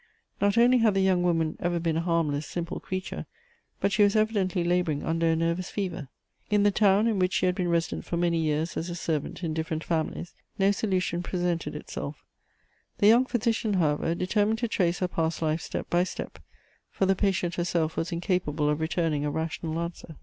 Not only had the young woman ever been a harmless, simple creature; but she was evidently labouring under a nervous fever. In the town, in which she had been resident for many years as a servant in different families, no solution presented itself. The young physician, however, determined to trace her past life step by step; for the patient herself was incapable of returning a rational answer.